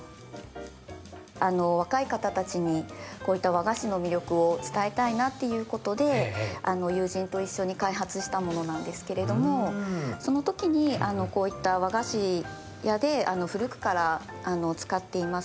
若い方たちに、こういった和菓子の魅力を伝えたいなということで、友人と一緒に開発したものなんですけれどもその時に、こういった和菓子屋で古くから使っています